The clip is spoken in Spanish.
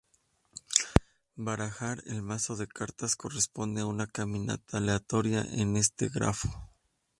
Barajar el mazo de cartas, corresponde a una caminata aleatoria en este grafo.